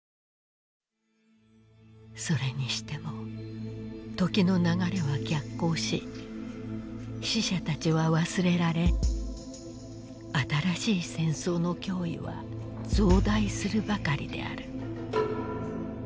それにしても時の流れは逆行し死者たちは忘れられ新しい戦争の脅威は増大するばかりである。